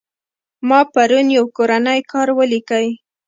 ما پرون يو کورنى کار وليکى.